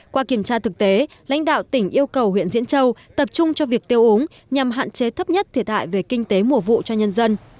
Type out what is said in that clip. qua kiểm tra thực tế lãnh đạo tỉnh yêu cầu huyện diễn châu tập trung cho việc tiêu úng nhằm hạn chế thấp nhất thiệt hại về kinh tế mùa vụ cho nhân dân